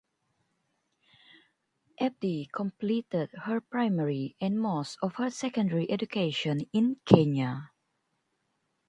Abdi completed her primary and most of her secondary education in Kenya.